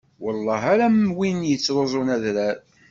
Welleh ar am win yettruẓen adrar!